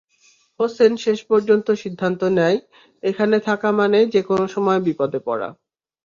হোসেন শেষ পর্যন্ত সিদ্ধান্ত নেয়, এখানে থাকা মানেই যেকোনো সময় বিপদে পড়া।